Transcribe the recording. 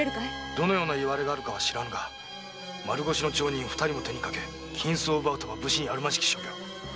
どのような謂があるかは知らぬが丸腰の町人を二人も手に掛け金子を奪うとは武士にあるまじき所業。